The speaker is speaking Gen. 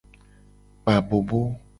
Kpa abobo.